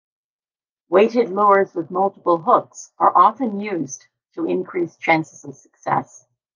Weighted lures with multiple hooks are often used to increase chances of success.